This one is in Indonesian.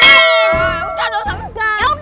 ya udah gak usah ngegang